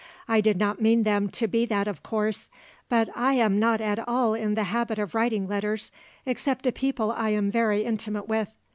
I did not mean them to be that of course; but I am not at all in the habit of writing letters except to people I am very intimate with.